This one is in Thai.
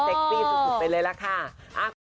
ใช่นะคะเรียกว่าเซ็กซี่สุดเป็นเลยแหละค่ะ